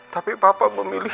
tapi papa memilih